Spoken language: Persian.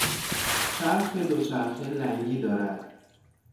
چرخ دوچرخه لنگی دارد.